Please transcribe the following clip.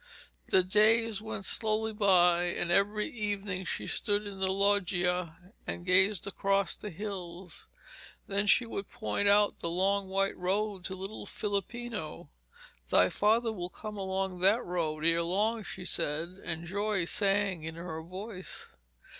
"' The days went slowly by, and every evening she stood in the loggia and gazed across the hills. Then she would point out the long white road to little Filippino. 'Thy father will come along that road ere long,' she said, and joy sang in her voice.